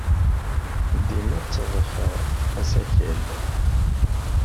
Dima tteḍḍfeɣ asakal.